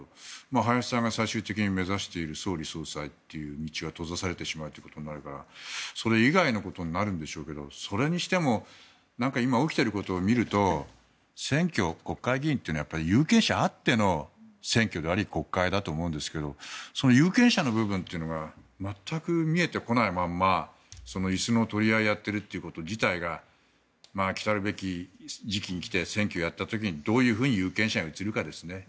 林さんが最終的に目指している総理・総裁という道は閉ざされてしまうということになればそれ以外のことになるんでしょうがそれにしても今、起きていることを見ると選挙、国会議員というのは有権者あっての選挙であり国会だと思うんですがその有権者の部分というのが全く見えてこないまま椅子の取り合いをやっていること自体が来るべき時期に来て選挙をやった時にどういうふうに有権者に映るかですね。